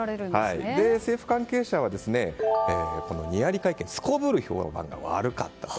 政府関係者は、このニヤリ会見すこぶる評判が悪かったと。